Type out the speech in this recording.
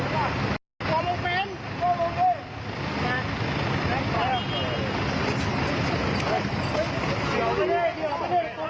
โปรโลเฟนน้ำมันลูกเป็น